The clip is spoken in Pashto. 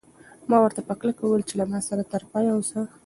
ما ورته په کلکه وویل چې له ما سره تر پایه اوسه.